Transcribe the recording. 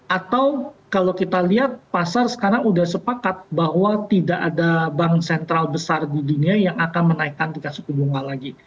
atau kalau kita lihat pasar sekarang sudah sepakat bahwa tidak ada bank sentral besar di dunia yang akan menaikkan tingkat suku bunga lagi